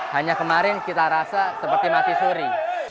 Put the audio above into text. hanya kemarin kita rasa seperti mati suri